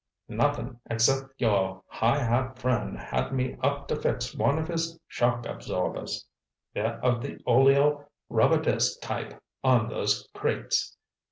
"Nothin', except your high hat friend had me up to fix one of his shock absorbers. They're of the Oleo rubber disc type on those crates.